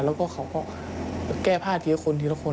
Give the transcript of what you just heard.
แล้วก็เขาก็แก้ผ้าทีละคนทีละคน